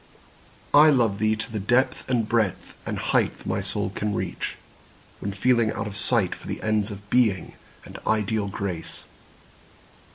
I love thee to the depth and breadth and height My soul can reach, when feeling out of sight For the ends of Being and ideal Grace.